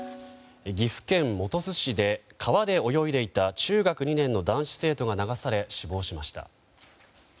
岐阜県本巣市で川で泳いでいた中学２年の男子生徒が流され死亡しました。